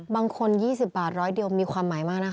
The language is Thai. ๒๐บาท๑๐๐เดียวมีความหมายมากนะคะ